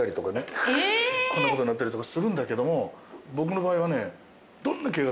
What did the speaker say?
こんなことになったりとかするんだけども僕の場合はね。